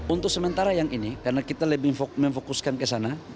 untuk sementara yang ini karena kita lebih memfokuskan ke sana